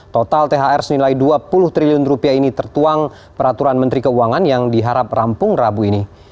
total thr senilai dua puluh triliun rupiah ini tertuang peraturan menteri keuangan yang diharap rampung rabu ini